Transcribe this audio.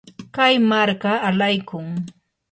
kay marka alaykun.